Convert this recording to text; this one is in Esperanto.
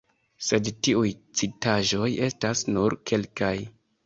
Sed tiuj citaĵoj estas nur kelkaj.